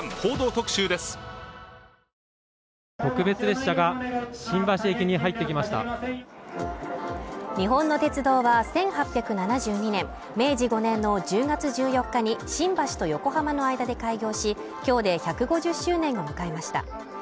特別列車が新橋駅に入ってきました日本の鉄道は１８７２年明治５年の１０月１４日に新橋と横浜の間で開業し今日で１５０周年を迎えました